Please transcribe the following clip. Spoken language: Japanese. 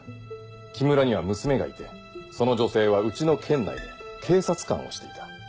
木村には娘がいてその女性はうちの県内で警察官をしていた。